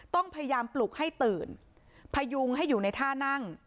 ต้องพยายามปลุกให้ตื่นพยุงให้อยู่ในท่านั่ง